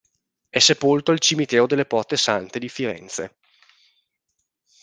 È sepolto al Cimitero delle Porte Sante di Firenze.